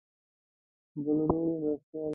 بل ورور یې مرستیال و.